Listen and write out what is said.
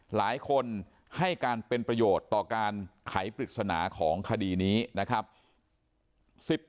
หลายคนให้การเป็นประโยชน์ต่อการไขปริศนาของคดีนี้นะครับ